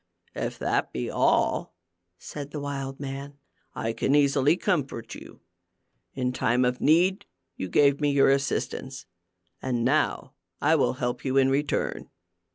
"If that be all," said the wild man, "I can easily comfort you. In time of need, you gave me your assistance, and now I will help you in return."